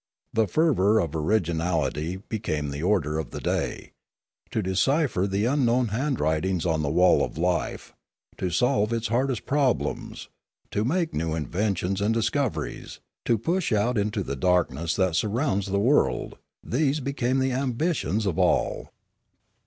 The fervour of originality became the order of the day. To decipher the un known handwritings on the wall of life, to solve its hardest problems, to make new inventions and dis coveries, to push out into the darkness that surrounds the world, — these became the ambitions of all.